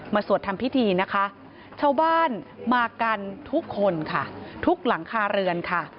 สวดทำพิธีนะคะชาวบ้านมากันทุกคนค่ะทุกหลังคาเรือนค่ะ